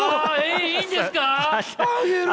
いいんですか？